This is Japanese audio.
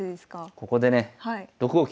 ここでね６五桂。